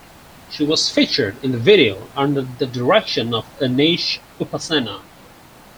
She was featured in the video under the direction of Aneesh Upasana.